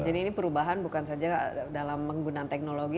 jadi ini perubahan bukan saja dalam menggunakan teknologi